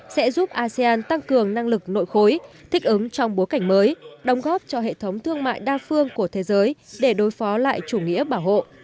sẽ giúp asean tăng cường năng lực nội khối thích ứng trong bối cảnh mới đồng góp cho hệ thống thương mại đa phương của thế giới để đối phó lại chủ nghĩa bảo hộ